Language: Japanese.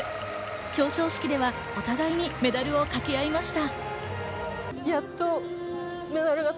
表彰式ではお互いにメダルをかけ合いました。